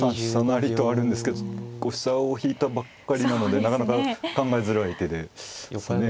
成とあるんですけど飛車を引いたばっかりなのでなかなか考えづらい手ですね。